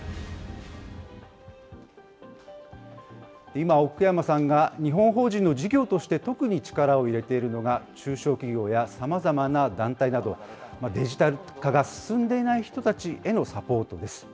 今、奥山さんが日本法人の事業として特に力を入れているのが、中小企業やさまざまな団体など、デジタル化が進んでいない人たちへのサポートです。